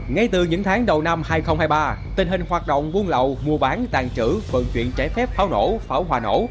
ngay từ những tháng đầu năm hai nghìn hai mươi ba tình hình hoạt động buôn lậu mua bán tàn trữ vận chuyển trái phép pháo nổ pháo hòa nổ